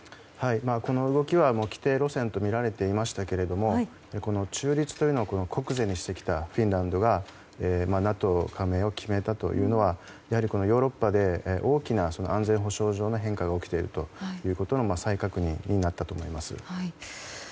この動きは既定路線とみられていましたが中立というのを国是にしてきたフィンランドがＮＡＴＯ加盟を決めたというのはヨーロッパで大きな安全保障上の変化が起きているということの再確認になったと思います。